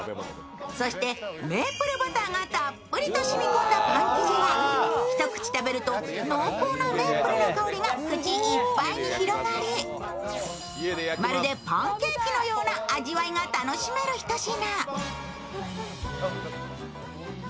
そして、メープルバターがたっぷりと染み込んだパン生地が一口食べると濃厚なメープルの香りが口いっぱいに広がりまるでパンケーキのような味わいが楽しめる、ひと品。